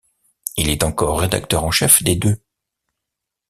Il est encore rédacteur en chef des deux.